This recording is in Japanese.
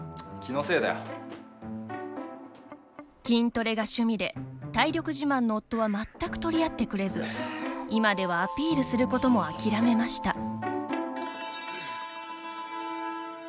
筋トレが趣味で体力自慢の夫は全く取り合ってくれず今ではアピールすることも諦めました。